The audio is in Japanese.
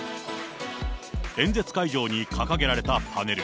演説会場に掲げられたパネル。